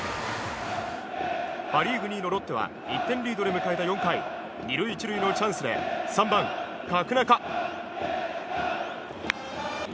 パ・リーグ２位のロッテは１点リードで迎えた４回２塁１塁のチャンスで３番、角中。